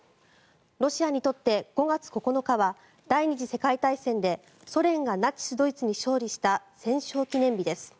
ロシアにとって５月９日は第２次世界大戦でソ連がナチス・ドイツに勝利した戦勝記念日です。